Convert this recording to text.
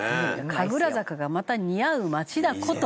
神楽坂がまた似合う街だこと。